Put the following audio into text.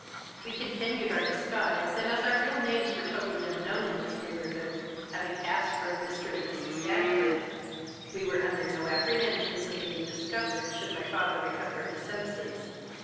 "We continued our disguise, and, as our real names were totally unknown in this neighborhood, having passed for a Mr. and Mrs. Danbury, we were under no apprehensions of being discovered, should my father recover his senses.